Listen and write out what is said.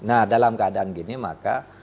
nah dalam keadaan gini maka